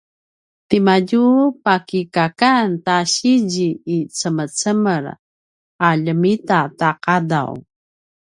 timadju pakikakan ta sizi i cemecemel a ljemita ta qadaw